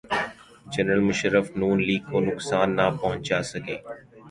General Musharraf Noon League کو نقصان نہ پہنچا سکے۔